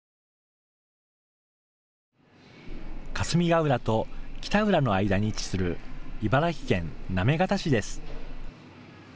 霞ヶ浦と北浦の間に位置する茨城県行方市です。